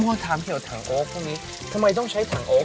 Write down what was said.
คำถามเกี่ยวกับถังโอ๊คพวกนี้ทำไมต้องใช้ถังโอ๊ค